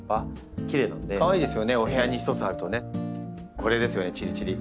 これですよねチリチリ。